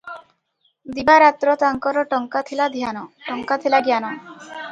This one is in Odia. "ଦିବା-ରାତ୍ର ତାଙ୍କର ଟଙ୍କା ଥିଲା ଧ୍ୟାନ - ଟଙ୍କା ଥିଲା ଜ୍ଞାନ ।